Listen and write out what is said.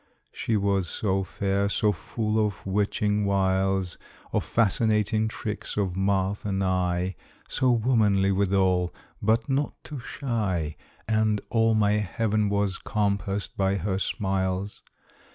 She was so fair, so full of witching wiles Of fascinating tricks of mouth and eye; So womanly withal, but not too shy And all my heaven was compassed by her smiles.